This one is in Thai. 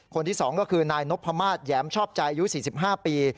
คนที่๒ก็คือนายนพมาศแหยมชอบใจอายุ๔๕ปี